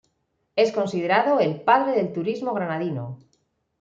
Es considerado el "padre del turismo granadino".